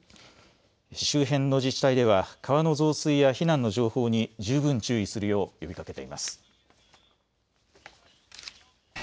周辺の自治体では川の増水や避難の情報に十分注意するよう呼びかけています。